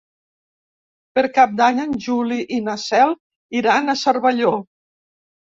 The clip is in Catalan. Per Cap d'Any en Juli i na Cel iran a Cervelló.